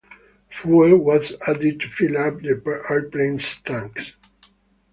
Fuel was added to fill up the airplane's tanks.